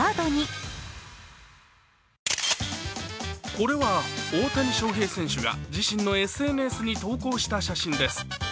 これは大谷翔平選手が自身のＳＮＳに投稿した写真です。